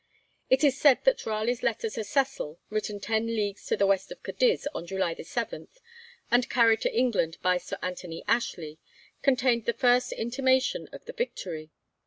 It is said that Raleigh's letter to Cecil, written ten leagues to the west of Cadiz, on July 7, and carried to England by Sir Anthony Ashley, contained the first intimation of the victory.